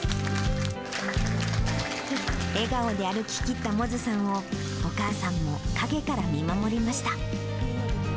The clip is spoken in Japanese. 笑顔で歩ききった百舌さんをお母さんも陰から見守りました。